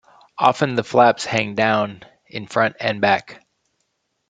Often, the flaps hang down in front and back.